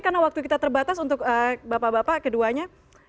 kita terbatas untuk bapak bapak keduanya